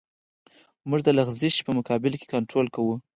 موږ د لغزش په مقابل کې کنټرول کوو